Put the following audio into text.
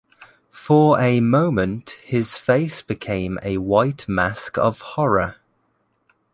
For a moment his face became a white mask of horror.